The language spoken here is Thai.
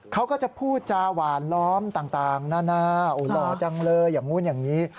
เขาก็จะพูดจาหวานล้อมต่างนานาหล่อจังเลยอย่างนู้นอย่างนี้